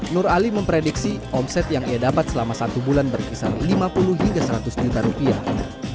nur ali memprediksi omset yang ia dapat selama satu bulan berkisar lima puluh hingga seratus juta rupiah